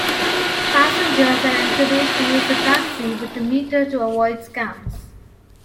Passengers are encouraged to use a taxi with a meter to avoid scams.